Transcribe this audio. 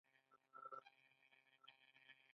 آیا د هډسن خلیج شرکت ډیر پخوانی نه دی؟